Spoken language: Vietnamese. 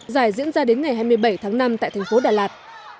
giải diễn ra đến ngày hai mươi bảy tháng năm tại tp đà lạt